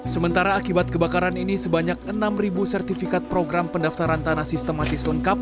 sementara akibat kebakaran ini sebanyak enam sertifikat program pendaftaran tanah sistematis lengkap